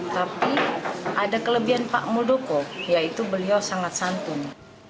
tapi ada kelebihan pak muldoko yaitu beliau sangat santun